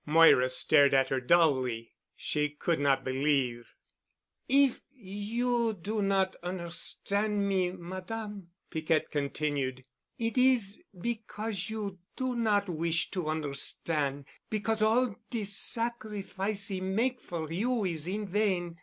Moira stared at her dully. She could not believe. "If you do not on'erstan' me, Madame," Piquette continued, "it is because you do not wish to on'erstan', because all de sacrifice 'e make for you is in vain.